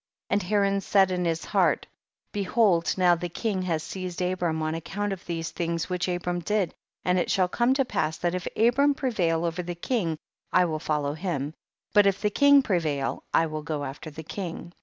19. And Haraii said in iiis heart, behold now the king has seized Abram on account of these things which Abram did, and it shall come to pass, that if Abram prevail over the king I will follow him, but if the king prevail 1 will go after the king.